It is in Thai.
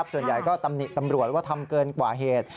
ส่วนใหญ่ก็ตำหนิตำรวจว่าทำเกินกว่าเหตุ